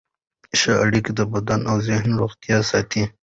ښه اړیکې د بدن او ذهن روغتیا ساتي.